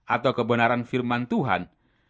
atau kebenaran firman tuhan